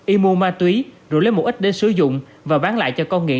y mua ma túy rủ lấy một ít để sử dụng và bán lại cho con nghiện